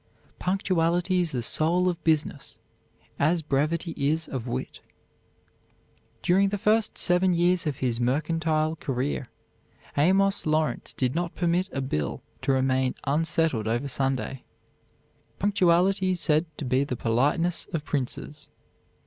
Punctuality is the soul of business, as brevity is of wit. During the first seven years of his mercantile career, Amos Lawrence did not permit a bill to remain unsettled over Sunday. Punctuality is said to be the politeness of princes.